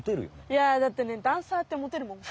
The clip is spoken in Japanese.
いやだってねダンサーってモテるもん。